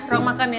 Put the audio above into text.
ruang makan ya